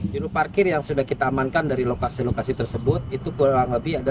juru parkir yang sudah kita amankan dari lokasi lokasi tersebut itu kurang lebih ada